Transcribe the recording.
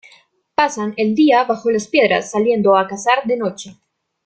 Pasan el día bajo las piedras, saliendo a cazar de noche.